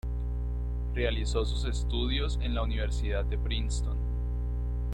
Realizó sus estudios en la Universidad de Princeton.